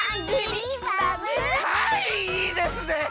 はいいいですね！